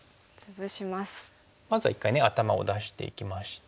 まずは一回頭を出していきまして。